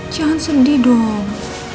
jangan sedih dong